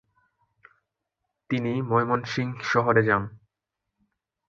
তিনি ময়মনসিংহ শহরে যান।